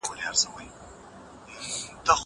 زه له سهاره سیر کوم!!